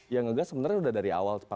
ya enggak sebenarnya udah dari awal